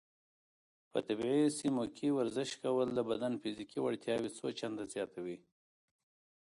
په طبیعي سیمو کې ورزش کول د بدن فزیکي وړتیاوې څو چنده زیاتوي.